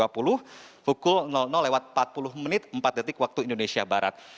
pukul empat puluh menit empat detik waktu indonesia barat